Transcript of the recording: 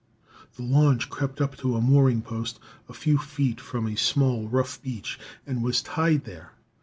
The launch crept up to a mooring post a few feet from a small, rough beach, and was tied there.